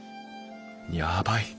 やばい。